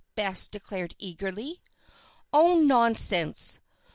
Bess declared eagerly. "Oh, nonsense!"